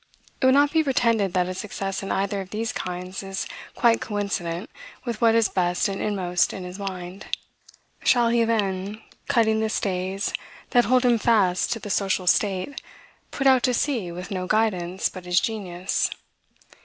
It will not be pretended that a success in either of these kinds is quite coincident with what is best and inmost in his mind. Shall he, then, cutting the stays that hold him fast to the social state, put out to sea with no guidance but his genius?